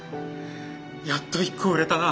やっと１個売れたな。